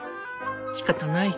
しかたない。